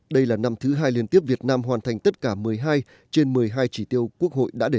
đây là năm thứ hai liên tiếp việt nam hoàn thành tất cả một mươi hai trên một mươi hai chỉ tiêu quốc hội đã đề ra